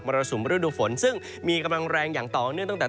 รสุมฤดูฝนซึ่งมีกำลังแรงอย่างต่อเนื่องตั้งแต่